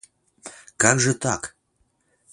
Как же так?